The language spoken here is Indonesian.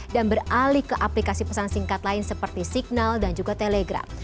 dan beralih ke aplikasi pesan singkat lain seperti signal dan juga telegram